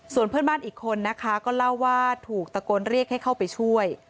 ส่วนเพื่อนบ้านอีกคนนะคะก็เล่าว่าถูกตะโกนเรียกให้เข้าไปช่วย